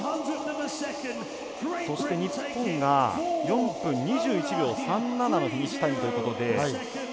そして、日本が４分２１秒３７のフィニッシュタイムということで。